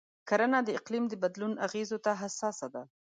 کرنه د اقلیم د بدلون اغېزو ته حساسه ده.